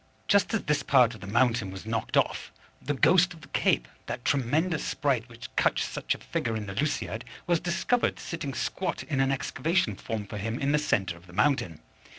Just as this part of the mountain was knocked off, the ghost of the Cape, that tremendous sprite which cuts such a figure in the Lusiad, was discovered sitting squat in an excavation formed for him in the centre of the mountain.